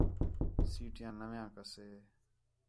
سیٹیاں نَویاں کَسے